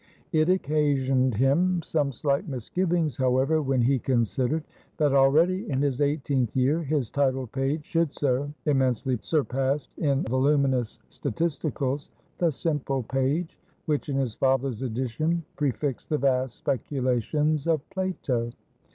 It occasioned him some slight misgivings, however, when he considered, that already in his eighteenth year, his title page should so immensely surpass in voluminous statisticals the simple page, which in his father's edition prefixed the vast speculations of Plato.